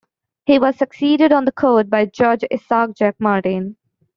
He was succeeded on the court by Judge Isaac Jack Martin.